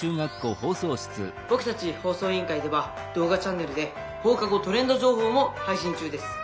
僕たち放送委員会では動画チャンネルで『放課後トレンド情報』も配信中です」。